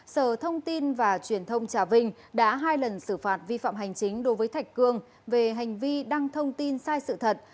sở thông tin và truyền thông trà vinh đã hai lần xử phạt vi phạm hành chính đối với thạch cương về hành vi đăng thông tin sai sự thật